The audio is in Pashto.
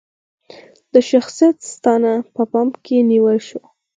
د شخصیت ساتنه په پام کې ونیول شوه.